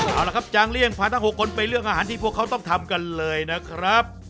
เอาละครับจางเลี่ยงพาทั้ง๖คนไปเรื่องอาหารที่พวกเขาต้องทำกันเลยนะครับ